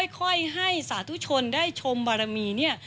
ค่อยให้สาธุชนได้ชมบารมีเนี่ย